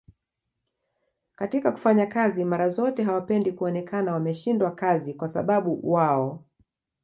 katika kufanya kazi mara zote hawapendi kuonekana wameshindwa kazi kwasababu wao